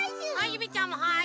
ゆめちゃんもはい！